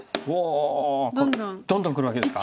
どんどんくるわけですか。